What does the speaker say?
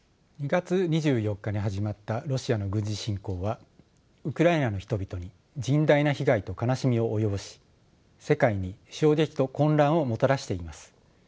２月２４日に始まったロシアの軍事侵攻はウクライナの人々に甚大な被害と悲しみを及ぼし世界に衝撃と混乱をもたらしています。